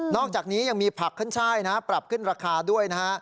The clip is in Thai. อกจากนี้ยังมีผักขึ้นช่ายนะปรับขึ้นราคาด้วยนะฮะ